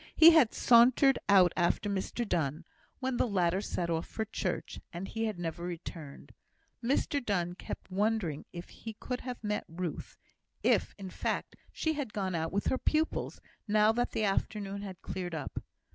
He had sauntered out after Mr Donne, when the latter set off for church, and he had never returned. Mr Donne kept wondering if he could have met Ruth if, in fact, she had gone out with her pupils, now that the afternoon had cleared up.